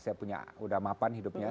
saya punya udah mapan hidupnya